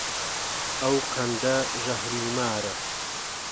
ئەو قەندە ژەهری مارە